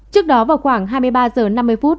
trước đó vào khoảng hai mươi ba h năm mươi phút